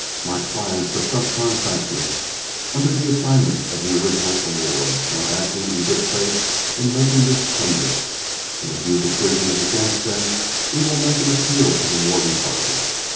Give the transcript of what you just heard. My clients are sub contractors, under an assignment of the original award, are acting in good faith in making this tender, and if your decision is against them, we will make an appeal to the War Department.